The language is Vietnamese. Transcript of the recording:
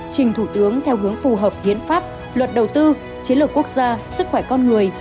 trình thủ tướng theo hướng phù hợp hiến pháp luật đầu tư chiến lược quốc gia sức khỏe con người